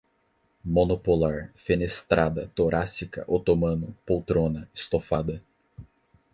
monopolar, fenestrada, torácica, otomano, poltrona, estofada